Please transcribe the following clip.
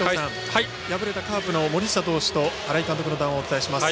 敗れたカープの森下投手と新井監督の談話をお伝えします。